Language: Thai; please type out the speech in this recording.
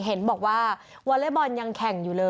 เห็นบอกว่าวอเล็กบอลยังแข่งอยู่เลย